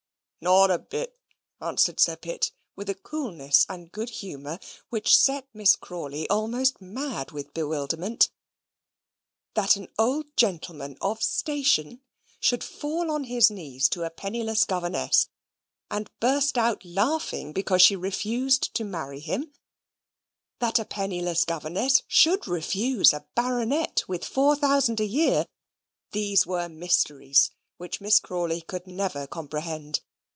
"Nawt a bit," answered Sir Pitt, with a coolness and good humour which set Miss Crawley almost mad with bewilderment. That an old gentleman of station should fall on his knees to a penniless governess, and burst out laughing because she refused to marry him that a penniless governess should refuse a Baronet with four thousand a year these were mysteries which Miss Crawley could never comprehend.